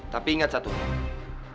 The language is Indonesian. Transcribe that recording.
tapi ingat satu hal